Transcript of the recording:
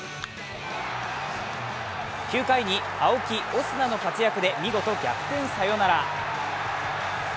９回に青木、オスナの活躍で見事逆転サヨナラ。